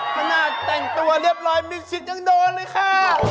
เมื่อหน้าแต่งตัวเรียบร้อยมิสชิกยังโดนเลยค่ะ